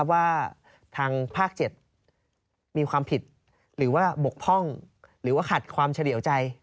ว่าทางภาค๗มีความผิดหรือว่าบกพร่องหรือว่าขัดความเฉลี่ยวใจ